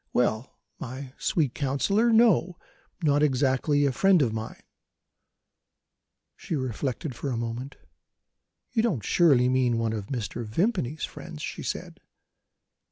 Well, my sweet counsellor, no not exactly a friend of mine." She reflected for a moment. "You don't surely mean one of Mr. Vimpany's friends?" she said.